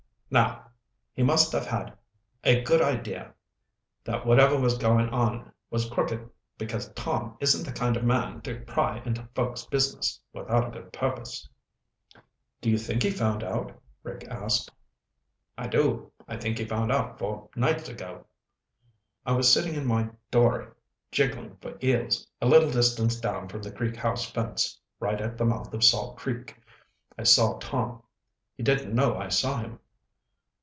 Now! He must have had a good idea that whatever was going on was crooked, because Tom isn't the kind of man to pry into folks' business without a good purpose." "Do you think he found out?" Rick asked. "I do. I think he found out four nights ago. I was sitting in my dory jigging for eels a little distance down from the Creek House fence right at the mouth of Salt Creek. I saw Tom. He didn't know I saw him.